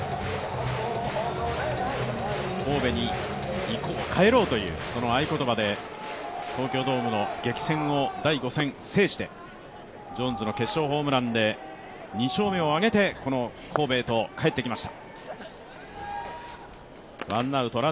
神戸に帰ろうという合い言葉で東京ドームの激戦を第５戦制してジョーンズの決勝ホームランで２勝目を挙げて、この神戸へと帰ってきました。